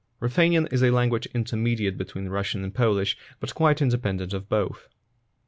Ruthenian is a language intermediate between Russian and Polish, but quite independent of both.